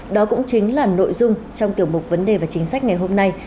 đó cũng chính là nội dung trong tiểu mục vấn đề và chính sách ngày hôm nay